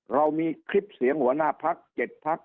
เรามีคลิปเสียงหัวหน้าพัก๗พัก